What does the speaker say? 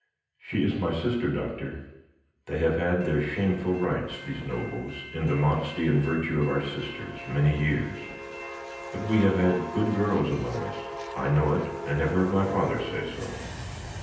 "'She is my sister, Doctor. They have had their shameful rights, these Nobles, in the modesty and virtue of our sisters, many years, but we have had good girls among us. I know it, and have heard my father say so.